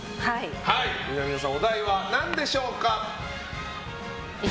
南野さん、お題は何でしょうか。